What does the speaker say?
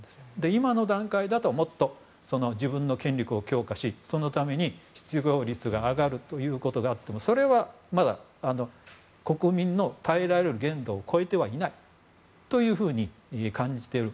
今の段階だともっと自分の権力を強化しそのために失業率が上がるということがあってもそれはまだ国民の耐えられる限度を超えてはいないと感じている。